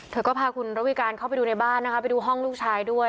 เธอก็พาคุณระวิการเข้าไปดูในบ้านนะคะไปดูห้องลูกชายด้วย